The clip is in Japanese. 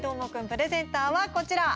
プレゼンターは、こちら。